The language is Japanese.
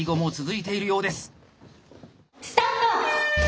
スタート！